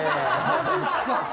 マジっすか。